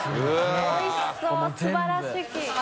おいしそう素晴らしき！